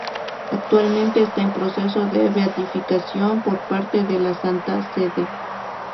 Actualmente está en proceso de beatificación por parte de la Santa Sede.